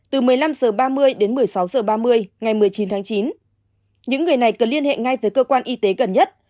từ một mươi năm h ba mươi đến một mươi sáu h ba mươi ngày một mươi chín tháng chín những người này cần liên hệ ngay với cơ quan y tế gần nhất